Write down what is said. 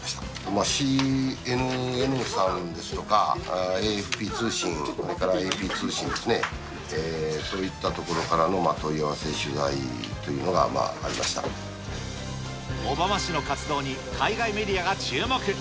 今、ＣＮＮさんですとか、ＡＦＰ通信、それからＡＰ通信ですね、そういったところからの問い合わせ、小浜市の活動に海外メディアが注目。